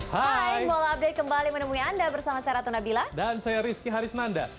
hai mola update kembali menemui anda bersama saya ratu nabila dan saya rizky harisnanda